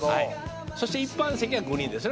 「そして一般席はグリーンですね。